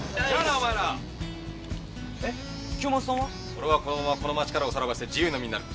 俺はこのままこの町からおさらばして自由の身になる。